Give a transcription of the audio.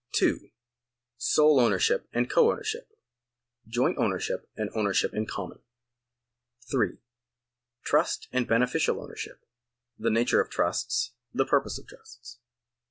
2. Sole ownership and co ownership. Joint ownership and ownership in common. 3. Trust and beneficial ownership. The nature of trusts. The purposes of trusts.